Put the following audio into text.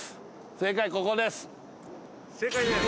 正解ここです。